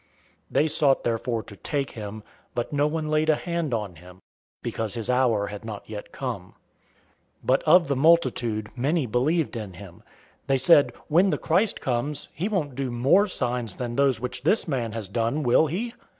007:030 They sought therefore to take him; but no one laid a hand on him, because his hour had not yet come. 007:031 But of the multitude, many believed in him. They said, "When the Christ comes, he won't do more signs than those which this man has done, will he?"